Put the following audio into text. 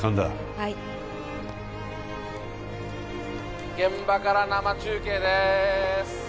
はい現場から生中継です